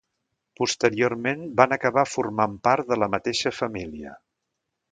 Posteriorment van acabar formant part de la mateixa família.